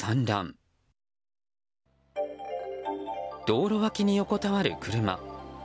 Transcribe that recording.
道路脇に横たわる車。